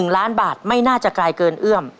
๑ล้านบาทไม่น่าจะไกลเกินเอื้อม